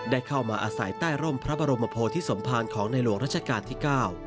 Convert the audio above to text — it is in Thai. ได้เข้ามาอาศัยใต้ร่มพระบรมโพธิสมภารของในหลวงรัชกาลที่๙